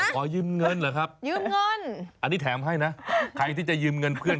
ขอยืมเงินเหรอครับยืมเงินอันนี้แถมให้นะใครที่จะยืมเงินเพื่อน